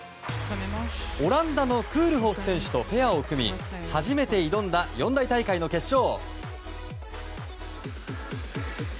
オランダのクールホフ選手とペアを組み初めて挑んだ四大大会の決勝。